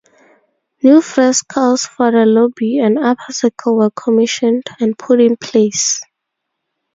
New frescos for the lobby and upper circle were commissioned and put in place.